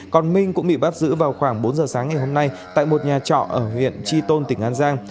còn minh cũng bị bắt giữ vào khoảng bốn giờ sáng ngày hôm nay tại một nhà trọ ở huyện tri tôn tỉnh an giang